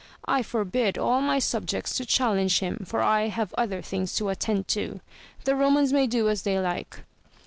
I forbid all my subjects to chal lenge him, for I have other things to attend to ; the Eomans may do as they like.